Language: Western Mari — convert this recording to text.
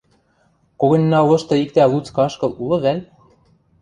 Когыньна лошты иктӓ луцкы ашкыл улы вӓл?